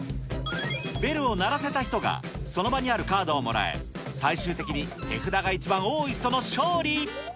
ベルを鳴らせた人が、その場にあるカードをもらえ、最終的に手札が一番多い人の勝利。